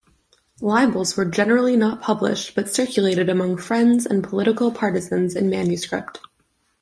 Libels were generally not published but circulated among friends and political partisans in manuscript.